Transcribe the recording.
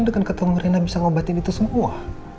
dengan ketemu rena bisa ngobatin itu semua